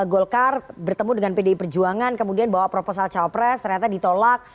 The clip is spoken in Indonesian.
golkar bertemu dengan pdi perjuangan kemudian bawa proposal cawapres ternyata ditolak